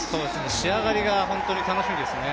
仕上がりが本当に楽しみですね。